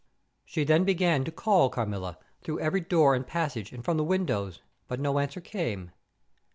She then began to call "Carmilla," through every door and passage and from the windows, but no answer came.